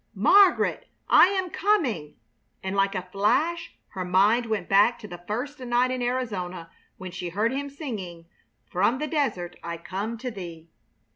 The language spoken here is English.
Margaret! I am coming!" and like a flash her mind went back to the first night in Arizona when she heard him singing, "From the Desert I Come to Thee!"